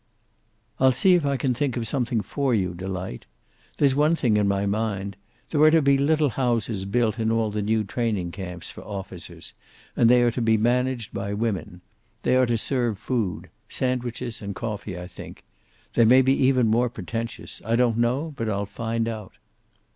"I'll see if I can think of something for you, Delight. There's one thing in my mind. There are to be little houses built in all the new training camps for officers, and they are to be managed by women. They are to serve food sandwiches and coffee, I think. They may be even more pretentious. I don't know, but I'll find out."